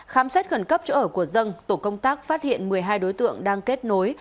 khám xét khẩn cấp chỗ ở của dân tổ công tác phát hiện một mươi hai đối tượng đang kết nối